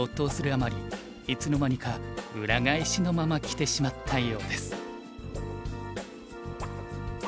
あまりいつの間にか裏返しのまま着てしまったようです。